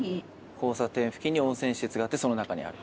「交差点付近に温泉施設があってその中にある」。